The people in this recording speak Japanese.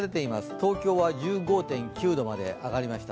東京は１５．９度まで上がりました。